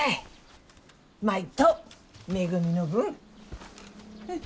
舞とめぐみの分。